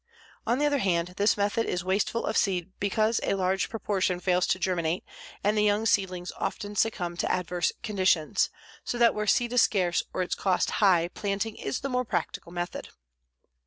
On the other hand, this method is wasteful of seed because a large proportion fails to germinate and the young seedlings often succumb to adverse conditions, so that where seed is scarce or its cost high, planting is the more practical method.